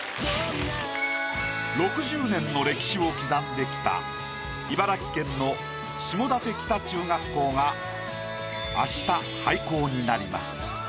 ６０年の歴史を刻んできた茨城県の下館北中学校があした廃校になります。